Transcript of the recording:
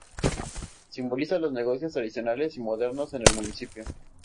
Simboliza los negocios tradicionales y modernos en el municipio.